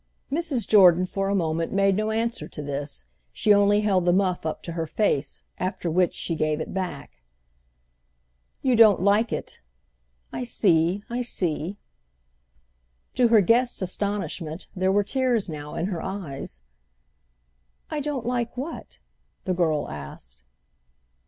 Mrs. Jordan for a moment made no answer to this; she only held the muff up to her face, after which she gave it back. "You don't like it. I see, I see." To her guest's astonishment there were tears now in her eyes. "I don't like what?" the girl asked.